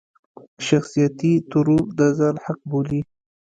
شخصيتي ترور د ځان حق بولي.